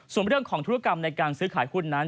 ส่วนเรื่องของธุรกรรมในการซื้อขายหุ้นนั้น